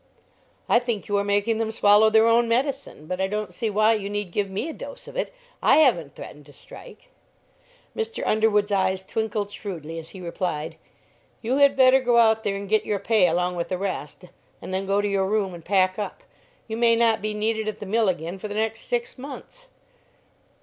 "I think you are making them swallow their own medicine, but I don't see why you need give me a dose of it; I haven't threatened to strike." Mr. Underwood's eyes twinkled shrewdly as he replied, "You had better go out there and get your pay along with the rest, and then go to your room and pack up. You may not be needed at the mill again for the next six months."